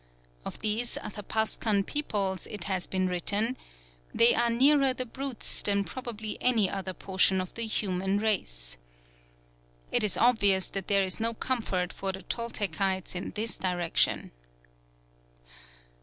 Of these Athapascan peoples it has been written, "They are nearer the brutes than probably any other portion of the human race." It is obvious that there is no comfort for the Toltecites in this direction.